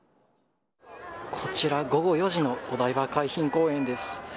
こちら午後４時のお台場海浜公園です。